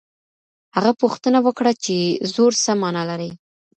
هغه پوښتنه وکړه چي زور څه مانا لري.